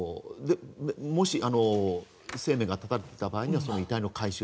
もし、生命が絶たれていた場合はその遺体の回収。